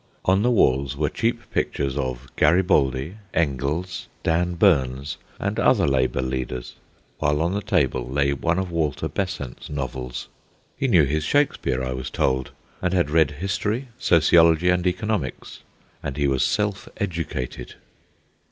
On the walls were cheap pictures of Garibaldi, Engels, Dan Burns, and other labour leaders, while on the table lay one of Walter Besant's novels. He knew his Shakespeare, I was told, and had read history, sociology, and economics. And he was self educated.